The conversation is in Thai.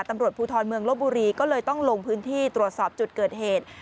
ตำรวจภูทรเมืองลบบุรีก็เลยต้องลงพื้นที่ตรวจสอบจุดเกิดเหตุ